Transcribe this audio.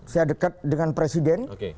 saya dekat dengan presiden